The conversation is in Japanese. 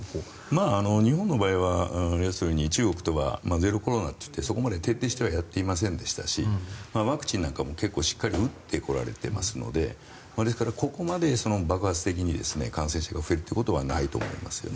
日本の場合は中国とはゼロコロナといってそこまで徹底してはやっていませんでしたしワクチンなんかも結構しっかり打ってこられていますのでですから、ここまで爆発的に感染者が増えることはないと思いますよね。